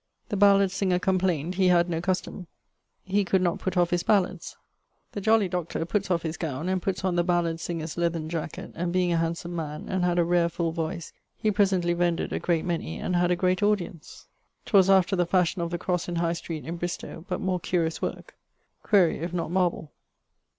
The ballad singer complaynd, he had no custome, he could not putt off his ballades. The jolly Doctor putts off his gowne, and putts on the ballad singer's leathern jacket, and being a handsome man, and had a rare full voice, he presently vended a great many, and had a great audience. [L.] 'Twas after the fashion of the crosse in High street in Bristowe, but more curious worke. Quaere if not marble?